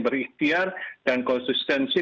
berikhtiar dan konsistensi